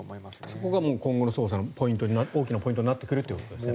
そこが今後の捜査の大きなポイントになってくるということですね。